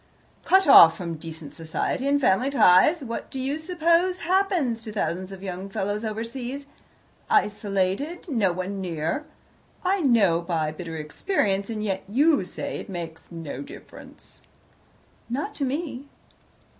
"Cut off from decent society and family ties, what do you suppose happens to thousands of young fellows overseas? Isolated. No one near. I know by bitter experience, and yet you say it makes 'no difference.'" "Not to me."